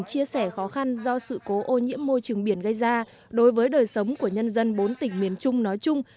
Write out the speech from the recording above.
chia sẻ khó khăn do sự cố ô nhiễm môi trường biển gây ra đối với đời sống của nhân dân bốn tỉnh miền trung nói chung